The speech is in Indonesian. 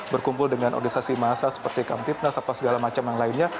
berkumpul dengan organisasi masa seperti kamtipnas apa segala macam yang lainnya